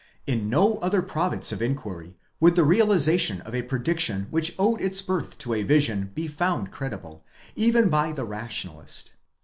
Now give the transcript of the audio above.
In no other province of inquiry would the realization of a prediction which owed its birth to a vision be found credible, even by the Rationalist.